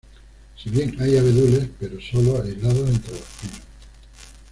Si bien hay abedules, pero solo aislados entre los pinos.